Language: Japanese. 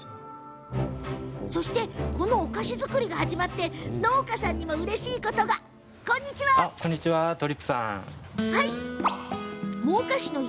このお菓子作りが始まって農家さんにもうれしいことがありました。